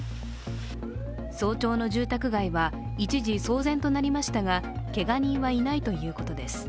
早朝の住宅街は一時騒然となりましたが、けが人はいないということです。